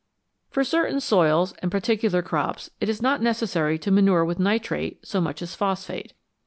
For certain soils and particular crops it is not necessary to manure with nitrate so much as phosphate.